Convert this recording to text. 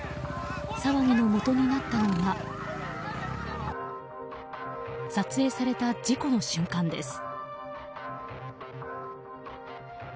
騒ぎのもとになったのが撮影された事故の瞬間です。